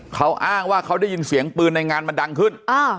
เขาอ้างว่าเขาได้ยินเสียงปืนในงานมันดังขึ้น